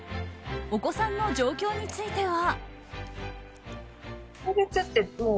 お子さんの状況については。